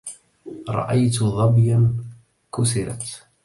رأيت ظبيا كسرت